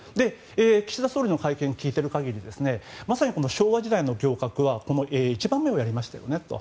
岸田総理の会見を聞いている限りまさに昭和時代の行革は１番目をやりましたよねと。